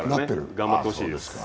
頑張ってほしいです。